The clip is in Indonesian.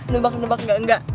ngebak nebak enggak enggak